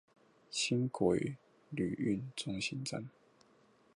輕軌旅運中心站